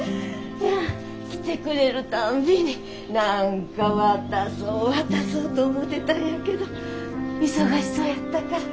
来てくれるたんびに何か渡そう渡そうと思てたんやけど忙しそうやったから。